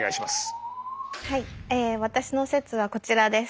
はい私の説はこちらです。